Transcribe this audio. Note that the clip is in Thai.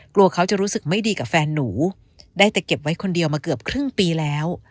กลัวเขาจะรู้สึกไม่ดีกับแฟนหนูได้แต่เก็บไว้คนเดียวมาเกือบครึ่งปีแล้ว